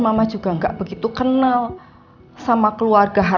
papa lega dengarnya